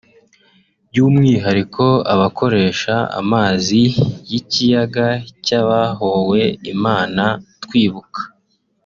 by’umwihariko abakoresha amazi y’ikiyaga cy’abahowe Imana twibuka